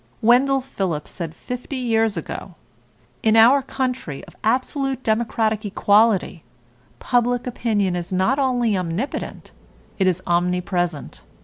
Wendell Phillips said fifty years ago: "In our country of absolute democratic equality, public opinion is not only omnipotent, it is omnipresent.